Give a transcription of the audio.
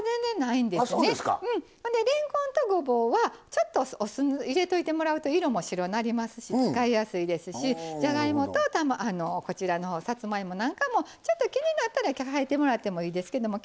あそうですか。れんこんとごぼうはちょっとお酢入れといてもらうと色も白うなりますし使いやすいですしじゃがいもとこちらのさつまいもなんかもちょっと気になったら替えてもらってもいいですけども